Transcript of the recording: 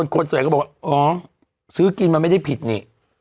คนใส่ก็บอกว่าอ๋อซื้อกินมันไม่ได้ผิดนี่